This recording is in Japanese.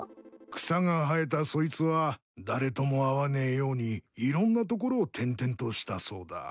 草が生えたそいつは誰とも会わねえようにいろんなところを転々としたそうだ。